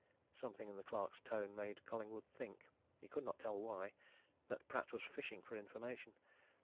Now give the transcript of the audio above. Something in the clerk's tone made Collingwood think he could not tell why that Pratt was fishing for information.